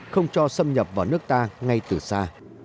không cho xâm nhập vào nước ta ngay từ xa